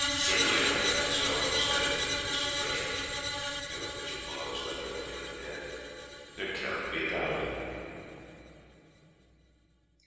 "Certainly I so understand Mr. Tresham" I looked at your father's letter again, and added, "There cannot be a doubt of it."